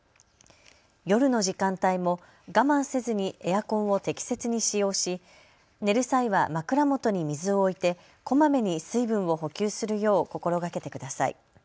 夜の時間帯も我慢せずにエアコンを適切に使用し寝る際は枕元に水を置いてこまめに水分を補給するよう心がけてください。